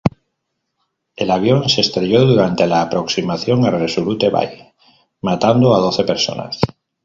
El avión se estrelló durante la aproximación a Resolute Bay, matando a doce personas.